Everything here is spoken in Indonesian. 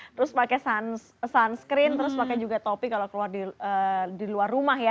terus pakai sunscreen terus pakai juga topi kalau keluar di luar rumah ya